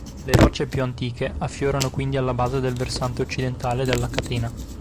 Le rocce più antiche affiorano quindi alla base del versante occidentale della catena.